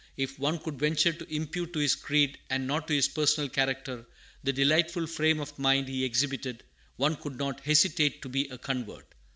If one could venture to impute to his creed, and not to his personal character, the delightful frame of mind he exhibited, one could not hesitate to be a convert.